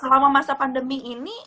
selama masa pandemi ini